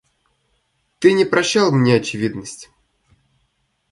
Ты не прощал мне очевидность.